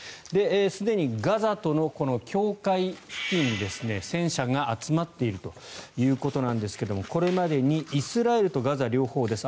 すでにガザとの境界付近に戦車が集まっているということなんですがこれまでにイスラエルとガザ両方です。